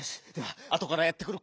あとからやってくる